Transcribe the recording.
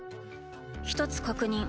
一つ確認。